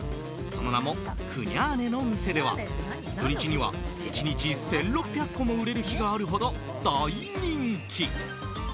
その名もクニャーネの店では土日には１日１６００個も売れる日があるほど大人気。